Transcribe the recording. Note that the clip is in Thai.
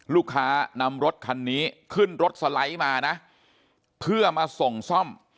ลูกค้านำรถคันนี้ขึ้นรถสไลด์มานะเพื่อมาส่งซ่อม